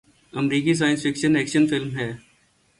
امریکی science fiction action film ہے